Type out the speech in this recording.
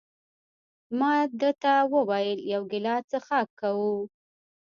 ما ده ته وویل: یو ګیلاس څښاک کوو؟